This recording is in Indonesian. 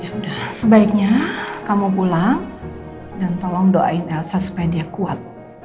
ya udah sebaiknya kamu pulang dan tolong doain elsa supaya dia kuat